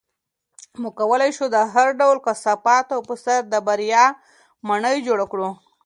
موږ کولی شو د هر ډول کثافاتو په سر د بریا ماڼۍ جوړه کړو.